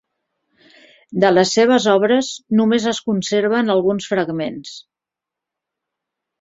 De les seves obres només es conserven alguns fragments.